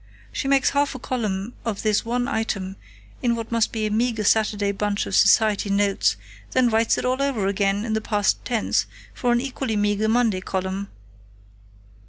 "She makes half a column of this one item in what must be a meager Saturday bunch of 'Society Notes,' then writes it all over again, in the past tense, for an equally meager Monday column....